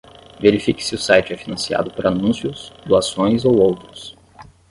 Verifique se o site é financiado por anúncios, doações ou outros.